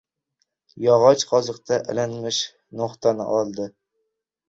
Yog‘och qoziqda ilinmish no‘xtani oldi.